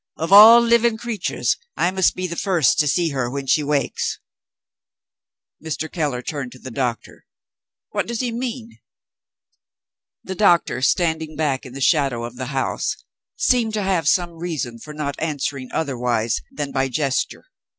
Of all living creatures, I must be the first to see her when she wakes." Mr. Keller turned to the doctor. "What does he mean?" The doctor, standing back in the shadow of the house, seemed to have some reason for not answering otherwise than by gesture.